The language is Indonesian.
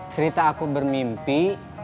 cerita aku bermimpi